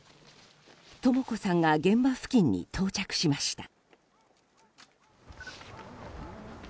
とも子さんが現場付近に到着しました。